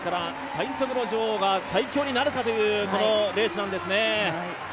最速の女王が最強になるかというレースなんですね。